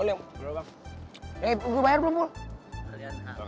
eh gue bayar belum mul